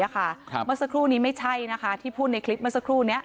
เมื่อสักครู่นี้ไม่ใช่นะคะที่พูดในคลิปเมื่อสักครู่นี้